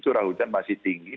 curah hujan masih tinggi